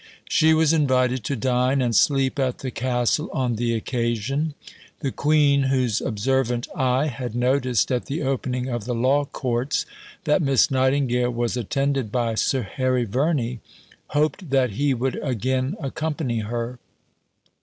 She was invited to dine and sleep at the castle on the occasion. The Queen, whose observant eye had noticed at the opening of the Law Courts that Miss Nightingale was attended by Sir Harry Verney, hoped that he would again accompany her.